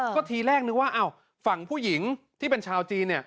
ก็ทีแรกนึกว่าฝั่งผู้หญิงที่เป็นชาวจีน